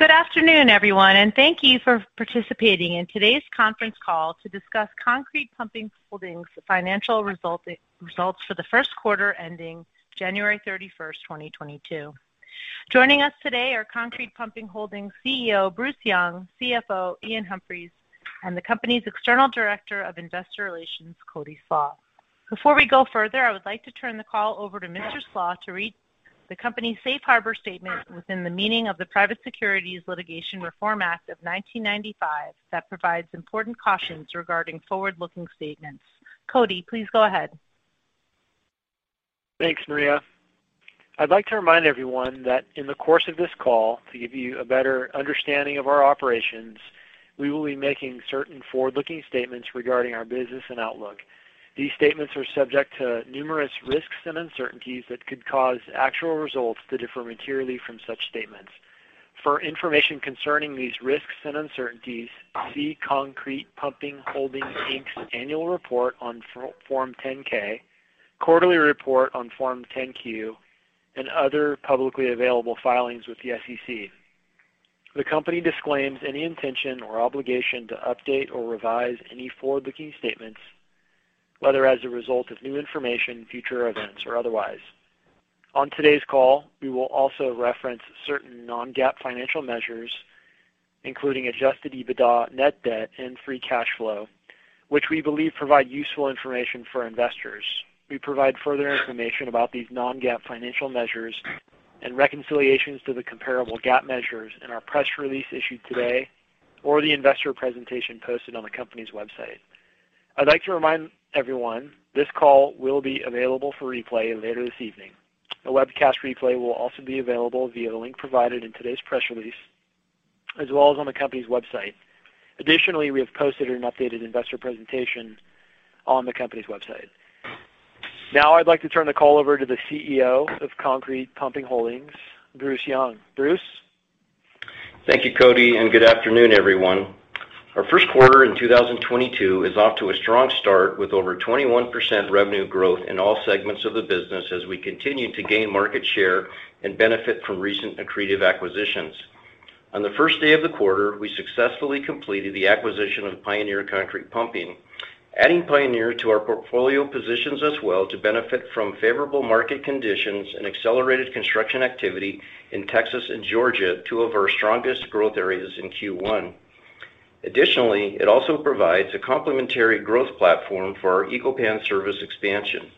Good afternoon, everyone, and thank you for participating in today's conference call to discuss Concrete Pumping Holdings' Financial Result, results for the first quarter ending January 31st, 2022. Joining us today are Concrete Pumping Holdings CEO, Bruce Young, CFO, Iain Humphries, and the company's External Director of Investor Relations, Cody Slach. Before we go further, I would like to turn the call over to Mr. Slach to read the company's Safe Harbor statement within the meaning of the Private Securities Litigation Reform Act of 1995 that provides important cautions regarding forward-looking statements. Cody, please go ahead. Thanks, Maria. I'd like to remind everyone that in the course of this call, to give you a better understanding of our operations, we will be making certain forward-looking statements regarding our business and outlook. These statements are subject to numerous risks and uncertainties that could cause actual results to differ materially from such statements. For information concerning these risks and uncertainties, see Concrete Pumping Holdings, Inc.'s Annual Report on Form 10-K, Quarterly Report on Form 10-Q, and other publicly available filings with the SEC. The company disclaims any intention or obligation to update or revise any forward-looking statements, whether as a result of new information, future events or otherwise. On today's call, we will also reference certain non-GAAP financial measures, including adjusted EBITDA, net debt, and free cash flow, which we believe provide useful information for investors. We provide further information about these non-GAAP financial measures and reconciliations to the comparable GAAP measures in our press release issued today or the investor presentation posted on the company's website. I'd like to remind everyone, this call will be available for replay later this evening. A webcast replay will also be available via the link provided in today's press release, as well as on the company's website. Additionally, we have posted an updated investor presentation on the company's website. Now I'd like to turn the call over to the CEO of Concrete Pumping Holdings, Bruce Young. Bruce? Thank you, Cody, and good afternoon, everyone. Our first quarter in 2022 is off to a strong start with over 21% revenue growth in all segments of the business as we continue to gain market share and benefit from recent accretive acquisitions. On the first day of the quarter, we successfully completed the acquisition of Pioneer Concrete Pumping. Adding Pioneer to our portfolio positions us well to benefit from favorable market conditions and accelerated construction activity in Texas and Georgia, two of our strongest growth areas in Q1. Additionally, it also provides a complementary growth platform for our Eco-Pan service expansion.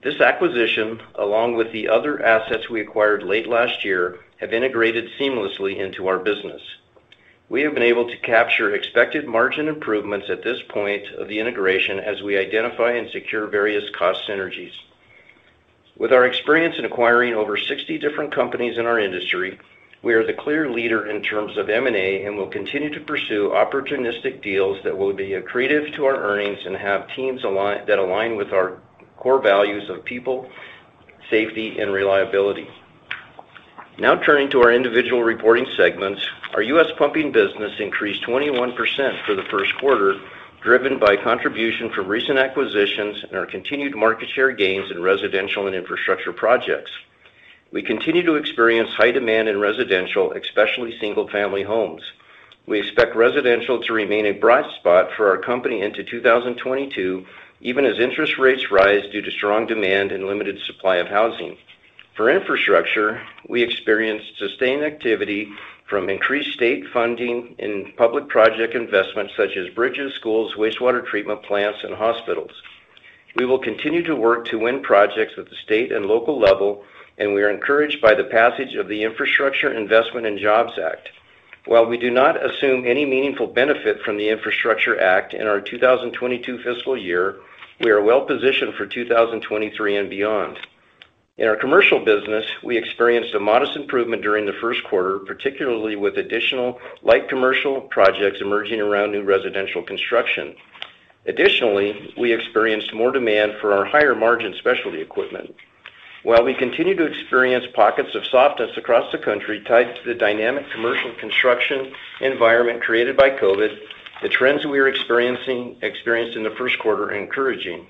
This acquisition, along with the other assets we acquired late last year, have integrated seamlessly into our business. We have been able to capture expected margin improvements at this point of the integration as we identify and secure various cost synergies. With our experience in acquiring over 60 different companies in our industry, we are the clear leader in terms of M&A, and will continue to pursue opportunistic deals that will be accretive to our earnings and have teams that align with our core values of people, safety, and reliability. Now turning to our individual reporting segments. Our U.S. Pumping business increased 21% for the first quarter, driven by contribution from recent acquisitions and our continued market share gains in residential and infrastructure projects. We continue to experience high demand in residential, especially single-family homes. We expect residential to remain a bright spot for our company into 2022, even as interest rates rise due to strong demand and limited supply of housing. For infrastructure, we experienced sustained activity from increased state funding in public project investments such as bridges, schools, wastewater treatment plants, and hospitals. We will continue to work to win projects at the state and local level, and we are encouraged by the passage of the Infrastructure Investment and Jobs Act. While we do not assume any meaningful benefit from the Infrastructure Act in our 2022 fiscal year, we are well positioned for 2023 and beyond. In our commercial business, we experienced a modest improvement during the first quarter, particularly with additional light commercial projects emerging around new residential construction. Additionally, we experienced more demand for our higher-margin specialty equipment. While we continue to experience pockets of softness across the country tied to the dynamic commercial construction environment created by COVID, the trends we're experiencing in the first quarter are encouraging.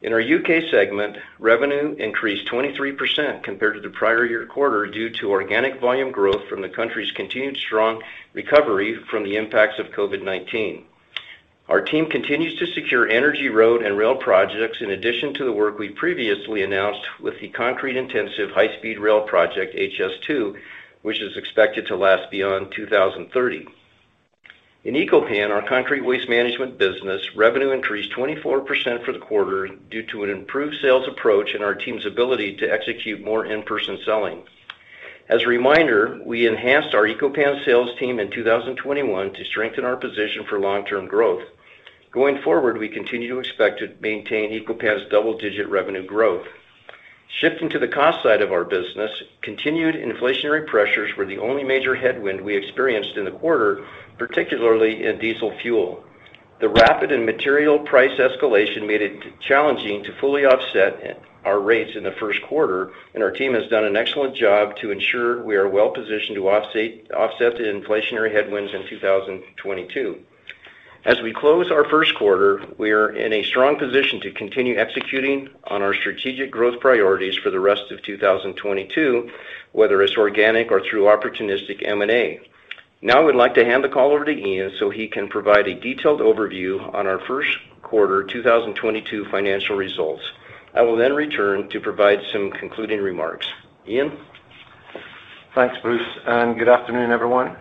In our U.K. segment, revenue increased 23% compared to the prior year quarter due to organic volume growth from the country's continued strong recovery from the impacts of COVID-19. Our team continues to secure energy, road, and rail projects in addition to the work we previously announced with the concrete-intensive high-speed rail project, HS2, which is expected to last beyond 2030. In Eco-Pan, our concrete waste management business, revenue increased 24% for the quarter due to an improved sales approach and our team's ability to execute more in-person selling. As a reminder, we enhanced our Eco-Pan sales team in 2021 to strengthen our position for long-term growth. Going forward, we continue to expect to maintain Eco-Pan's double-digit revenue growth. Shifting to the cost side of our business, continued inflationary pressures were the only major headwind we experienced in the quarter, particularly in diesel fuel. The rapid and material price escalation made it challenging to fully offset our rates in the first quarter, and our team has done an excellent job to ensure we are well positioned to offset the inflationary headwinds in 2022. As we close our first quarter, we are in a strong position to continue executing on our strategic growth priorities for the rest of 2022, whether it's organic or through opportunistic M&A. Now, I would like to hand the call over to Iain so he can provide a detailed overview on our first quarter 2022 financial results. I will then return to provide some concluding remarks. Iain? Thanks, Bruce, and good afternoon, everyone.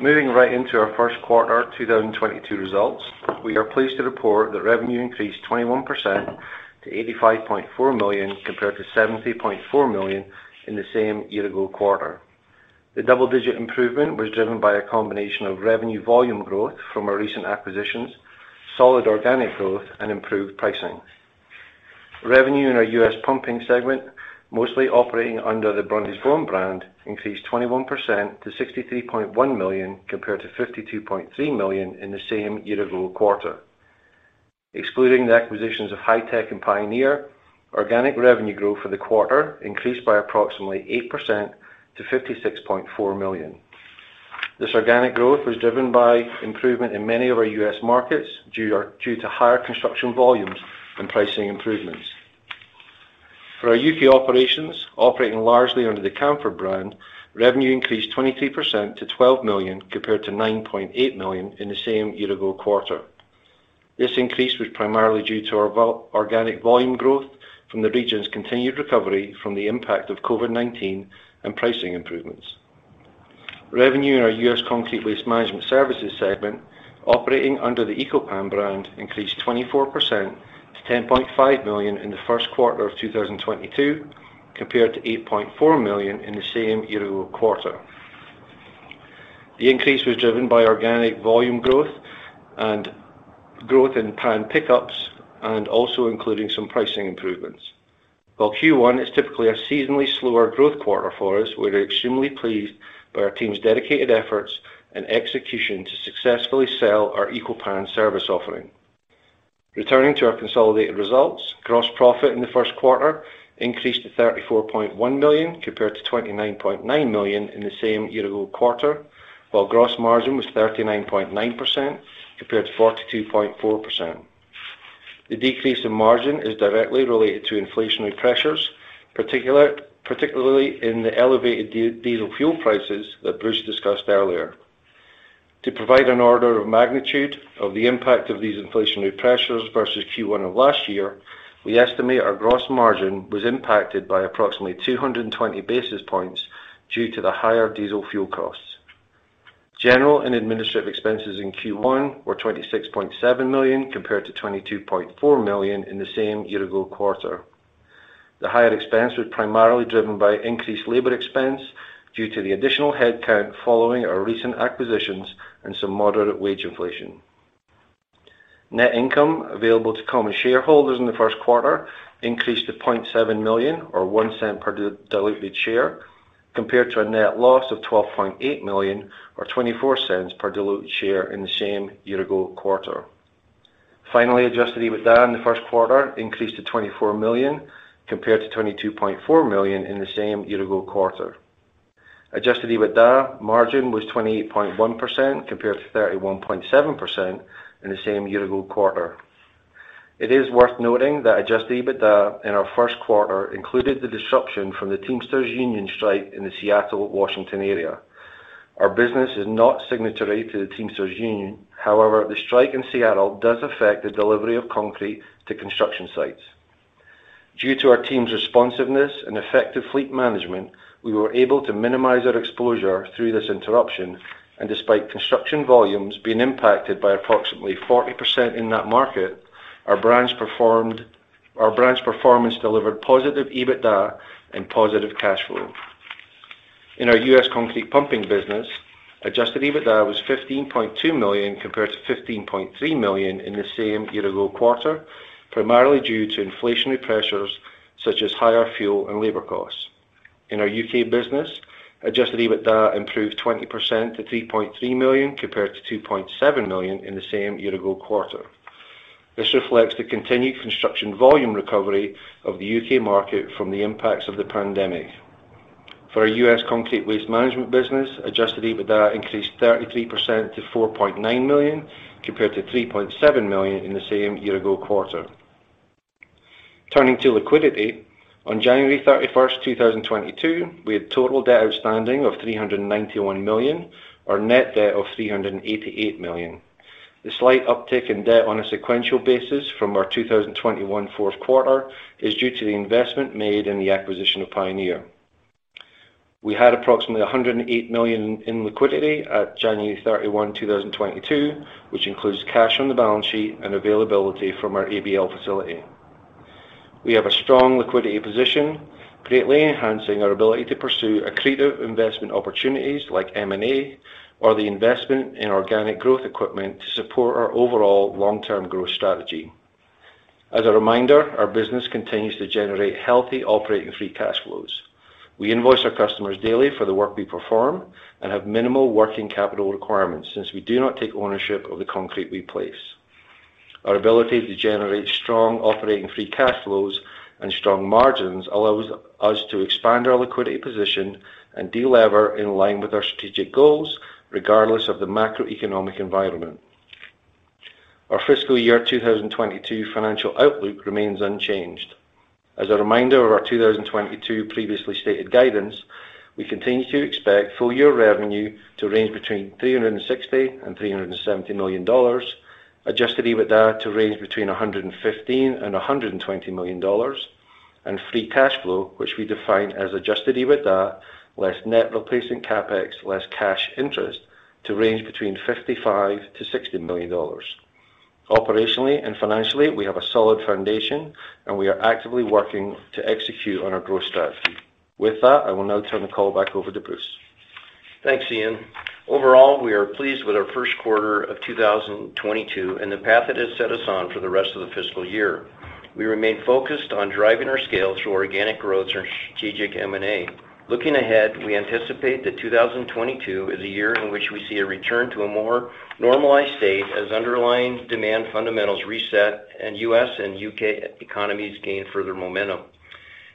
Moving right into our first quarter 2022 results, we are pleased to report that revenue increased 21% to $85.4 million compared to $70.4 million in the same year-ago quarter. The double-digit improvement was driven by a combination of revenue volume growth from our recent acquisitions, solid organic growth, and improved pricing. Revenue in our U.S. pumping segment, mostly operating under the Brundage-Bone brand, increased 21% to $63.1 million compared to $52.3 million in the same year-ago quarter. Excluding the acquisitions of Hi-Tech and Pioneer, organic revenue growth for the quarter increased by approximately 8% to $56.4 million. This organic growth was driven by improvement in many of our U.S. markets due to higher construction volumes and pricing improvements. For our U.K. operations operating largely under the Camfaud brand, revenue increased 23% to $12 million compared to $9.8 million in the same year-ago quarter. This increase was primarily due to our organic volume growth from the region's continued recovery from the impact of COVID-19 and pricing improvements. Revenue in our U.S. Concrete Waste Management Services segment operating under the Eco-Pan brand increased 24% to $10.5 million in the first quarter of 2022 compared to $8.4 million in the same year-ago quarter. The increase was driven by organic volume growth and growth in pan pickups and also including some pricing improvements. While Q1 is typically a seasonally slower growth quarter for us, we're extremely pleased by our team's dedicated efforts and execution to successfully sell our Eco-Pan service offering. Returning to our consolidated results, gross profit in the first quarter increased to $34.1 million compared to $29.9 million in the same year-ago quarter, while gross margin was 39.9% compared to 42.4%. The decrease in margin is directly related to inflationary pressures, particularly in the elevated diesel fuel prices that Bruce discussed earlier. To provide an order of magnitude of the impact of these inflationary pressures versus Q1 of last year, we estimate our gross margin was impacted by approximately 220 basis points due to the higher diesel fuel costs. General and administrative expenses in Q1 were $26.7 million compared to $22.4 million in the same year-ago quarter. The higher expense was primarily driven by increased labor expense due to the additional headcount following our recent acquisitions and some moderate wage inflation. Net income available to common shareholders in the first quarter increased to $0.7 million or $0.01 per diluted share, compared to a net loss of $12.8 million or $0.24 per diluted share in the same year-ago quarter. Finally, adjusted EBITDA in the first quarter increased to $24 million compared to $22.4 million in the same year-ago quarter. Adjusted EBITDA margin was 28.1% compared to 31.7% in the same year-ago quarter. It is worth noting that adjusted EBITDA in our first quarter included the disruption from the Teamsters union strike in the Seattle, Washington area. Our business is not signatory to the Teamsters union. However, the strike in Seattle does affect the delivery of concrete to construction sites. Due to our team's responsiveness and effective fleet management, we were able to minimize our exposure through this interruption, and despite construction volumes being impacted by approximately 40% in that market, our branch performance delivered positive EBITDA and positive cash flow. In our U.S. concrete pumping business, adjusted EBITDA was $15.2 million compared to $15.3 million in the same year-ago quarter, primarily due to inflationary pressures such as higher fuel and labor costs. In our U.K. business, adjusted EBITDA improved 20% to $3.3 million compared to $2.7 million in the same year-ago quarter. This reflects the continued construction volume recovery of the U.K. market from the impacts of the pandemic. For our U.S. Concrete Waste Management business, adjusted EBITDA increased 33% to $4.9 million compared to $3.7 million in the same year-ago quarter. Turning to liquidity, on January 31st, 2022, we had total debt outstanding of $391 million or net debt of $388 million. The slight uptick in debt on a sequential basis from our 2021 fourth quarter is due to the investment made in the acquisition of Pioneer. We had approximately $108 million in liquidity at January 31, 2022, which includes cash on the balance sheet and availability from our ABL facility. We have a strong liquidity position, greatly enhancing our ability to pursue accretive investment opportunities like M&A or the investment in organic growth equipment to support our overall long-term growth strategy. As a reminder, our business continues to generate healthy operating free cash flows. We invoice our customers daily for the work we perform and have minimal working capital requirements since we do not take ownership of the concrete we place. Our ability to generate strong operating free cash flows and strong margins allows us to expand our liquidity position and delever in line with our strategic goals regardless of the macroeconomic environment. Our fiscal year 2022 financial outlook remains unchanged. As a reminder of our 2022 previously stated guidance, we continue to expect full year revenue to range between $360 million and $370 million, adjusted EBITDA to range between $115 million and $120 million, and free cash flow, which we define as adjusted EBITDA, less net replacing CapEx, less cash interest to range between $55 million-$60 million. Operationally and financially, we have a solid foundation, and we are actively working to execute on our growth strategy. With that, I will now turn the call back over to Bruce. Thanks, Iain. Overall, we are pleased with our first quarter of 2022 and the path it has set us on for the rest of the fiscal year. We remain focused on driving our scale through organic growth and strategic M&A. Looking ahead, we anticipate that 2022 is a year in which we see a return to a more normalized state as underlying demand fundamentals reset and U.S. and U.K. economies gain further momentum.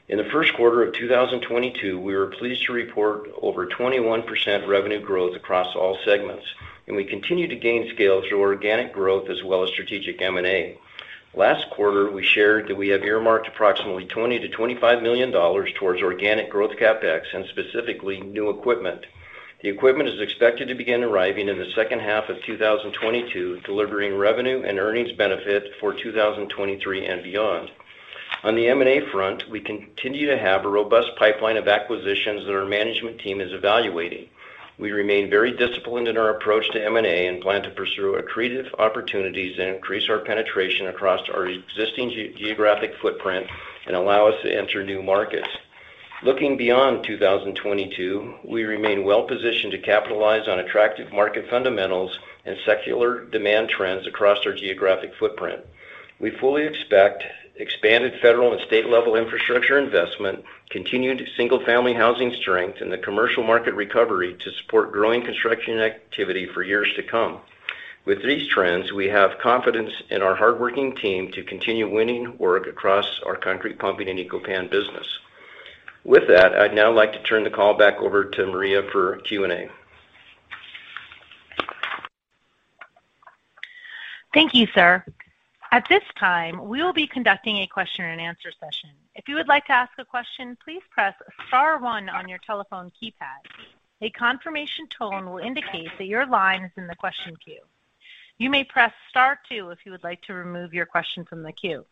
In the first quarter of 2022, we were pleased to report over 21% revenue growth across all segments, and we continue to gain scale through organic growth as well as strategic M&A. Last quarter, we shared that we have earmarked approximately $20 million-$25 million towards organic growth CapEx and specifically new equipment. The equipment is expected to begin arriving in the second half of 2022, delivering revenue and earnings benefit for 2023 and beyond. On the M&A front, we continue to have a robust pipeline of acquisitions that our management team is evaluating. We remain very disciplined in our approach to M&A and plan to pursue accretive opportunities and increase our penetration across our existing geographic footprint and allow us to enter new markets. Looking beyond 2022, we remain well positioned to capitalize on attractive market fundamentals and secular demand trends across our geographic footprint. We fully expect expanded federal and state level infrastructure investment, continued single-family housing strength in the commercial market recovery to support growing construction activity for years to come. With these trends, we have confidence in our hardworking team to continue winning work across our concrete pumping and Eco-Pan business. With that, I'd now like to turn the call back over to Maria for Q&A. Thank you, sir. At this time, we will be conducting a question-and-answer session. If you would like to ask a question, please press star one on your telephone keypad. A confirmation tone will indicate that your line is in the question queue. You may press star two if you would like to remove your question from the queue.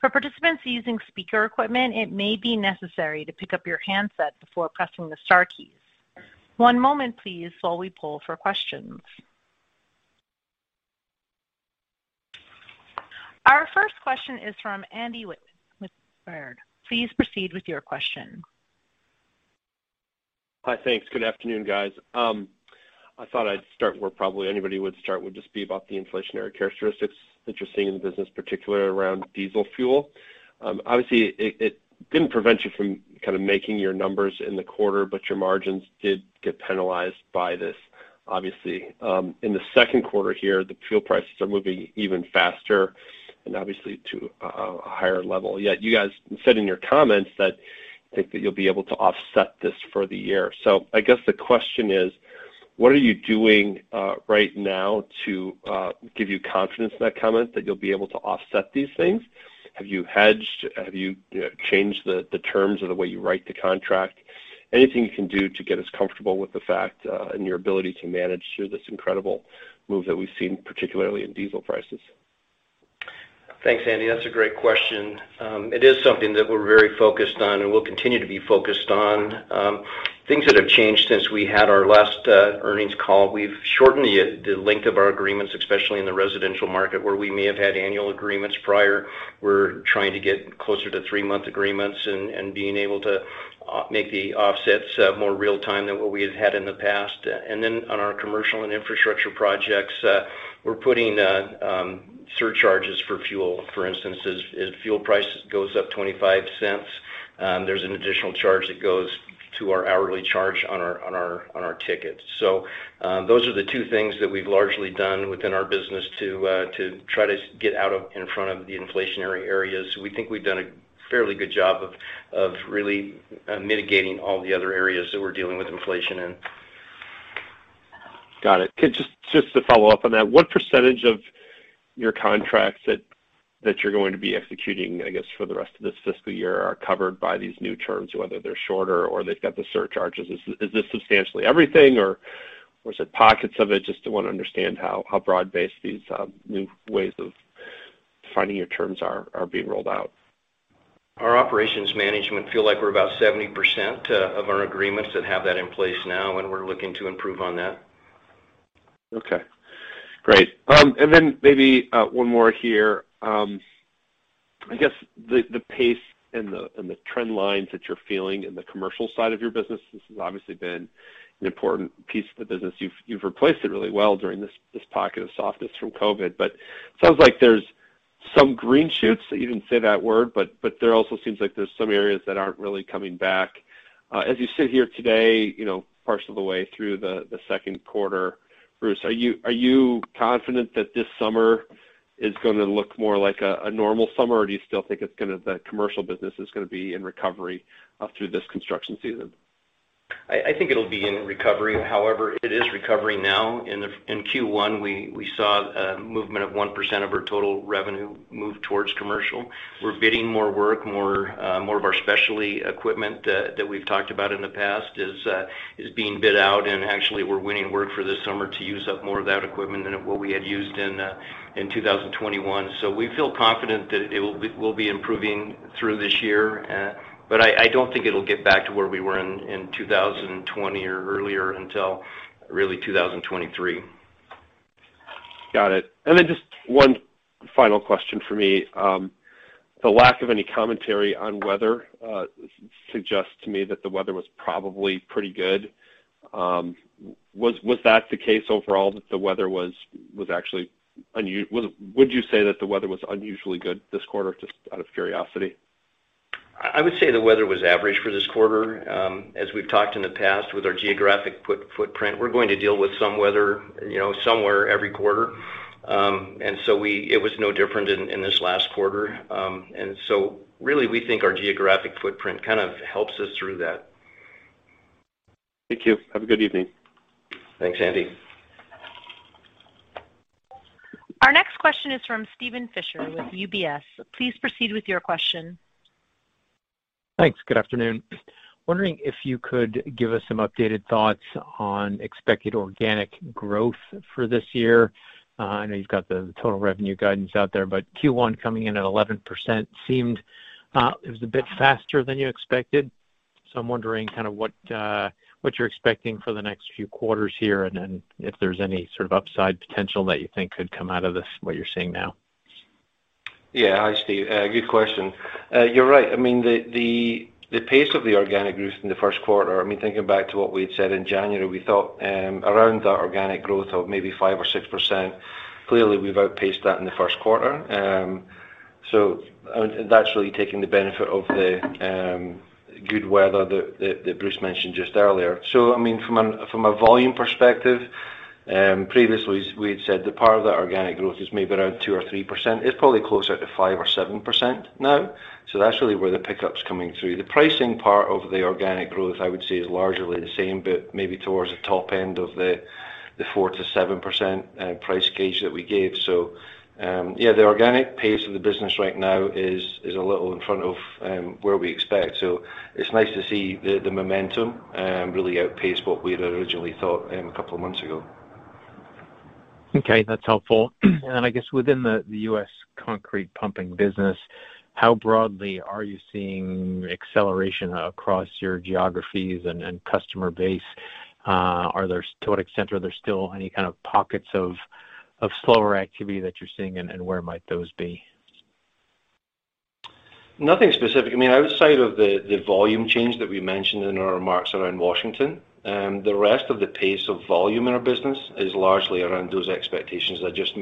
For participants using speaker equipment, it may be necessary to pick up your handset before pressing the star keys. One moment please while we pull for questions. Our first question is from Andy Wittmann with Baird. Please proceed with your question. Hi. Thanks. Good afternoon, guys. I thought I'd start where probably anybody would start, would just be about the inflationary characteristics that you're seeing in the business, particularly around diesel fuel. Obviously it didn't prevent you from kind of making your numbers in the quarter, but your margins did get penalized by this, obviously. In the second quarter here, the fuel prices are moving even faster and obviously to a higher level. Yet you guys said in your comments that you think that you'll be able to offset this for the year. I guess the question is, what are you doing right now to give you confidence in that comment that you'll be able to offset these things? Have you hedged? Have you know, changed the terms of the way you write the contract? Anything you can do to get us comfortable with the fact, and your ability to manage through this incredible move that we've seen, particularly in diesel prices? Thanks, Andy. That's a great question. It is something that we're very focused on and will continue to be focused on. Things that have changed since we had our last earnings call. We've shortened the length of our agreements, especially in the residential market, where we may have had annual agreements prior. We're trying to get closer to three-month agreements and being able to make the offsets more real time than what we have had in the past. On our commercial and infrastructure projects, we're putting surcharges for fuel. For instance, as fuel price goes up $0.25, there's an additional charge that goes to our hourly charge on our tickets. Those are the two things that we've largely done within our business to try to get in front of the inflationary areas. We think we've done a fairly good job of really mitigating all the other areas that we're dealing with inflation in. Got it. Just to follow up on that, what percentage of your contracts that you're going to be executing, I guess, for the rest of this fiscal year are covered by these new terms, whether they're shorter or they've got the surcharges? Is this substantially everything or is it pockets of it? Just want to understand how broad-based these new ways of binding your terms are being rolled out. Our operations management feel like we're about 70% of our agreements that have that in place now, and we're looking to improve on that. Okay, great. Maybe one more here. I guess the pace and the trend lines that you're feeling in the commercial side of your business, this has obviously been an important piece of the business. You've replaced it really well during this pocket of softness from COVID, but it sounds like there's some green shoots, you didn't say that word, but there also seems like there's some areas that aren't really coming back. As you sit here today, you know, part of the way through the second quarter, Bruce, are you confident that this summer is gonna look more like a normal summer, or do you still think the commercial business is gonna be in recovery through this construction season? I think it'll be in recovery. However, it is recovering now. In Q1, we saw a movement of 1% of our total revenue move towards commercial. We're bidding more work, more of our specialty equipment that we've talked about in the past is being bid out, and actually we're winning work for this summer to use up more of that equipment than what we had used in 2021. We feel confident that it will be improving through this year. I don't think it'll get back to where we were in 2020 or earlier until really 2023. Got it. Just one final question for me. The lack of any commentary on weather suggests to me that the weather was probably pretty good. Was that the case overall that the weather was unusually good this quarter, just out of curiosity? I would say the weather was average for this quarter. As we've talked in the past with our geographic footprint, we're going to deal with some weather, you know, somewhere every quarter. It was no different in this last quarter. Really we think our geographic footprint kind of helps us through that. Thank you. Have a good evening. Thanks, Andy. Our next question is from Steven Fisher with UBS. Please proceed with your question. Thanks. Good afternoon. Wondering if you could give us some updated thoughts on expected organic growth for this year. I know you've got the total revenue guidance out there, but Q1 coming in at 11% seemed, it was a bit faster than you expected. I'm wondering kind of what you're expecting for the next few quarters here, and then if there's any sort of upside potential that you think could come out of this, what you're seeing now. Yeah. Hi, Steve. Good question. You're right. I mean, the pace of the organic growth in the first quarter, I mean, thinking back to what we had said in January, we thought around that organic growth of maybe 5% or 6%. Clearly, we've outpaced that in the first quarter. And that's really taking the benefit of the good weather that Bruce mentioned just earlier. I mean, from a volume perspective, previously we'd said that part of that organic growth is maybe around 2% or 3%. It's probably closer to 5% or 7% now. That's really where the pickup's coming through. The pricing part of the organic growth, I would say, is largely the same, but maybe towards the top end of the 4%-7% price gauge that we gave. Yeah, the organic pace of the business right now is a little in front of where we expect. It's nice to see the momentum really outpace what we'd originally thought a couple of months ago. Okay, that's helpful. I guess within the U.S. concrete pumping business, how broadly are you seeing acceleration across your geographies and customer base? To what extent are there still any kind of pockets of slower activity that you're seeing, and where might those be? Nothing specific. I mean, outside of the volume change that we mentioned in our remarks around Washington, the rest of the pace of volume in our business is largely around those expectations I just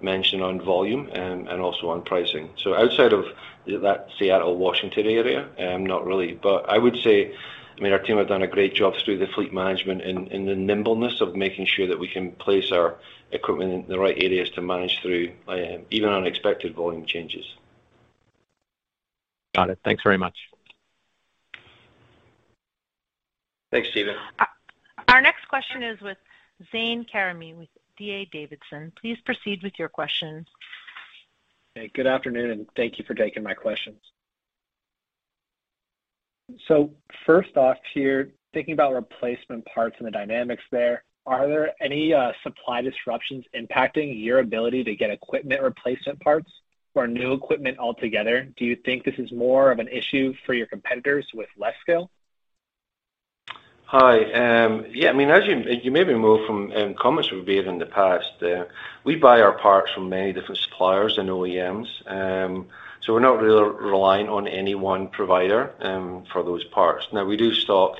mentioned on volume, and also on pricing. Outside of that Seattle, Washington area, not really. I would say, I mean, our team have done a great job through the fleet management and the nimbleness of making sure that we can place our equipment in the right areas to manage through even unexpected volume changes. Got it. Thanks very much. Thanks, Steven. Our next question is with Zane Karimi with D.A. Davidson. Please proceed with your question. Hey, good afternoon, and thank you for taking my questions. First off here, thinking about replacement parts and the dynamics there, are there any supply disruptions impacting your ability to get equipment replacement parts or new equipment altogether? Do you think this is more of an issue for your competitors with less scale? Hi. Yeah, I mean, as you may be aware from comments we've made in the past, we buy our parts from many different suppliers and OEMs, so we're not really relying on any one provider for those parts. Now, we do stock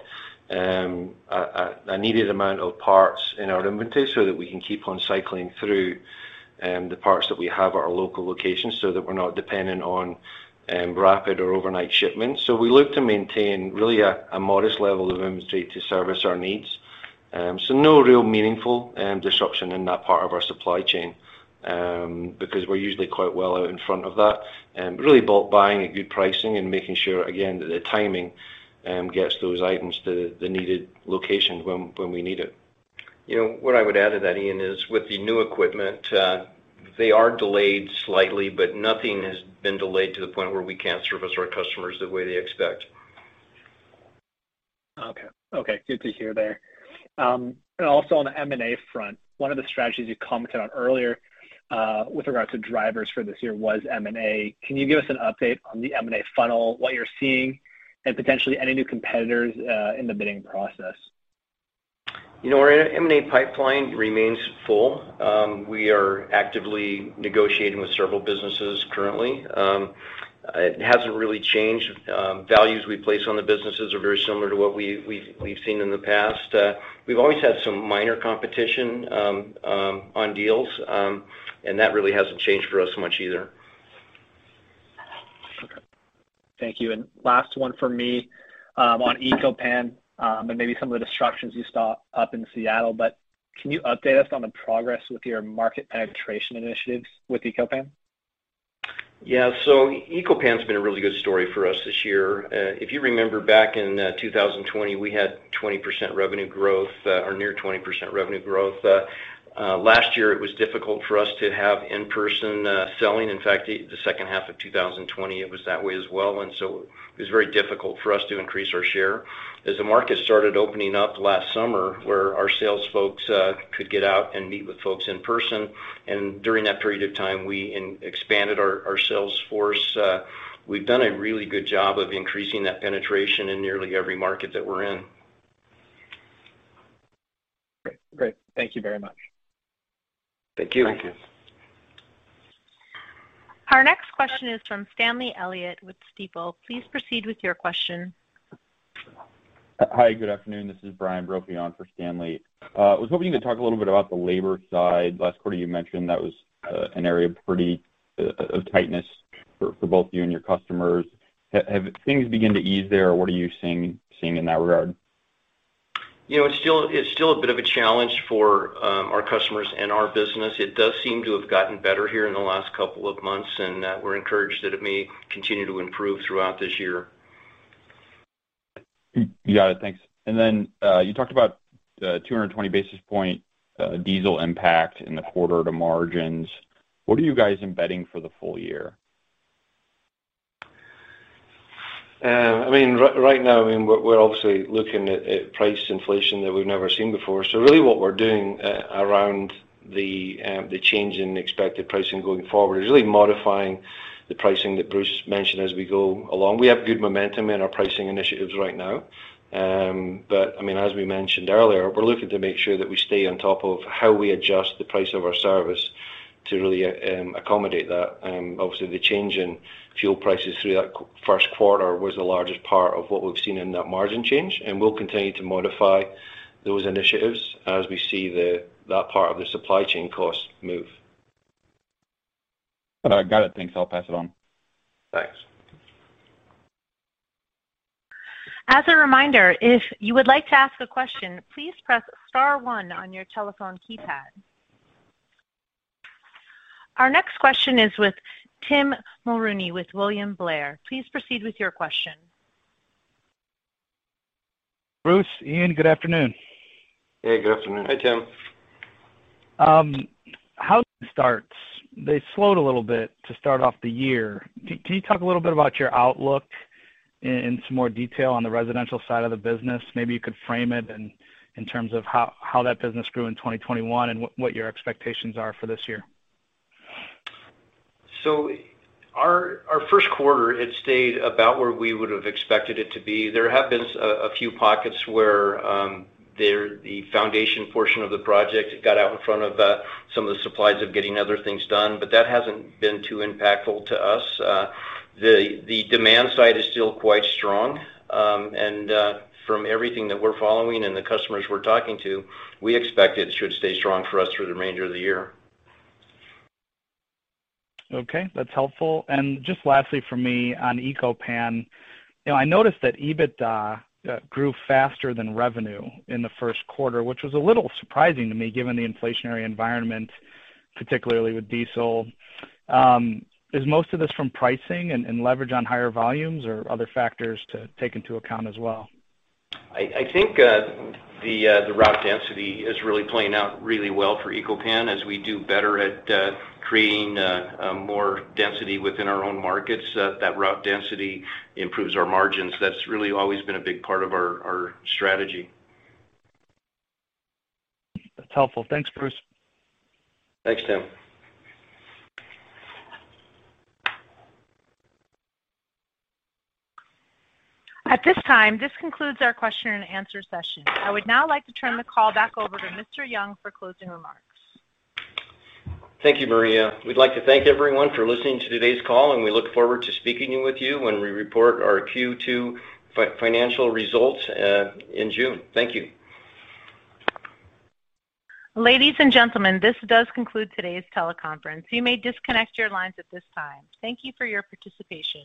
a needed amount of parts in our inventory so that we can keep on cycling through the parts that we have at our local locations so that we're not dependent on rapid or overnight shipments. We look to maintain really a modest level of inventory to service our needs. No real meaningful disruption in that part of our supply chain because we're usually quite well out in front of that. Really buying at good pricing and making sure, again, that the timing gets those items to the needed location when we need it. You know, what I would add to that, Iain, is with the new equipment, they are delayed slightly, but nothing has been delayed to the point where we can't service our customers the way they expect. Okay. Okay, good to hear there. Also on the M&A front, one of the strategies you commented on earlier, with regards to drivers for this year was M&A. Can you give us an update on the M&A funnel, what you're seeing and potentially any new competitors, in the bidding process? You know what? Our M&A pipeline remains full. We are actively negotiating with several businesses currently. It hasn't really changed. Values we place on the businesses are very similar to what we've seen in the past. We've always had some minor competition on deals, and that really hasn't changed for us much either. Okay. Thank you. Last one for me, on Eco-Pan, and maybe some of the disruptions you saw up in Seattle. Can you update us on the progress with your market penetration initiatives with Eco-Pan? Yeah. Eco-Pan's been a really good story for us this year. If you remember back in 2020, we had 20% revenue growth or near 20% revenue growth. Last year it was difficult for us to have in-person selling. In fact, the second half of 2020, it was that way as well. It was very difficult for us to increase our share. As the market started opening up last summer, where our sales folks could get out and meet with folks in person, and during that period of time we expanded our sales force. We've done a really good job of increasing that penetration in nearly every market that we're in. Great. Thank you very much. Thank you. Thank you. Our next question is from Stanley Elliott with Stifel. Please proceed with your question. Hi, good afternoon. This is Brian Brophy on for Stanley. I was hoping you could talk a little bit about the labor side. Last quarter, you mentioned that was an area of pretty tightness for both you and your customers. Have things begun to ease there or what are you seeing in that regard? You know, it's still a bit of a challenge for our customers and our business. It does seem to have gotten better here in the last couple of months, and we're encouraged that it may continue to improve throughout this year. You got it. Thanks. You talked about the 220 basis point diesel impact in the quarter to margins. What are you guys embedding for the full year? I mean, right now, I mean, we're obviously looking at price inflation that we've never seen before. Really what we're doing around the change in expected pricing going forward is really modifying the pricing that Bruce mentioned as we go along. We have good momentum in our pricing initiatives right now. I mean, as we mentioned earlier, we're looking to make sure that we stay on top of how we adjust the price of our service to really accommodate that. Obviously the change in fuel prices through that first quarter was the largest part of what we've seen in that margin change, and we'll continue to modify those initiatives as we see that part of the supply chain costs move. All right. Got it. Thanks. I'll pass it on. Thanks. As a reminder, if you would like to ask a question, please press star one on your telephone keypad. Our next question is with Tim Mulrooney with William Blair. Please proceed with your question. Bruce, Iain, good afternoon. Hey, good afternoon. Hi, Tim. Housing starts, they slowed a little bit to start off the year. Can you talk a little bit about your outlook in some more detail on the residential side of the business? Maybe you could frame it in terms of how that business grew in 2021 and what your expectations are for this year. Our first quarter had stayed about where we would have expected it to be. There have been a few pockets where the foundation portion of the project got out in front of some of the supply side of getting other things done, but that hasn't been too impactful to us. The demand side is still quite strong. From everything that we're following and the customers we're talking to, we expect it should stay strong for us through the remainder of the year. Okay. That's helpful. Just lastly from me on Eco-Pan, you know, I noticed that EBITDA grew faster than revenue in the first quarter, which was a little surprising to me given the inflationary environment, particularly with diesel. Is most of this from pricing and leverage on higher volumes or other factors to take into account as well? I think the route density is really playing out really well for Eco-Pan as we do better at creating more density within our own markets. That route density improves our margins. That's really always been a big part of our strategy. That's helpful. Thanks, Bruce. Thanks, Tim. At this time, this concludes our question-and-answer session. I would now like to turn the call back over to Mr. Young for closing remarks. Thank you, Maria. We'd like to thank everyone for listening to today's call, and we look forward to speaking with you when we report our Q2 financial results in June. Thank you. Ladies and gentlemen, this does conclude today's teleconference. You may disconnect your lines at this time. Thank you for your participation.